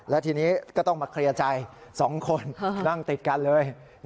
และทีนี้ก็ต้องมาเคลียร์ใจ๒คนนั่งติดกันเลย